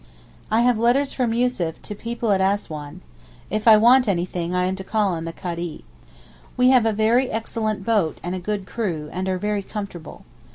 I have letters from Yussuf to people at Assouan. If I want anything I am to call on the Kadee. We have a very excellent boat and a good crew, and are very comfortable.